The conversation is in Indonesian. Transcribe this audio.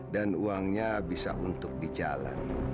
dan uangnya bisa untuk di jalan